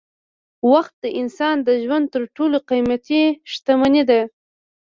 وخت د انسان د ژوند تر ټولو قېمتي شتمني ده.